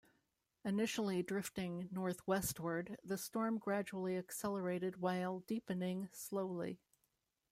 Initially drifting northwestward, the storm gradually accelerated while deepening slowly.